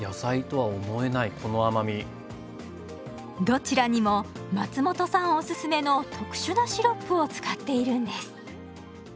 どちらにも松本さんおすすめの特殊なシロップを使っているんです。